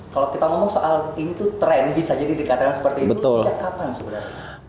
kalau kita ngomong soal ini tren bisa jadi dikatakan seperti itu sejak kapan sebenarnya